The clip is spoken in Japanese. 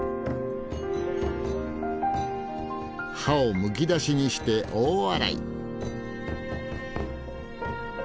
歯をむき出しにして大笑い。